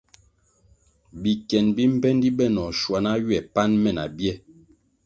Bikien bi mbpendi benoh schuaná ywe pan me na bie.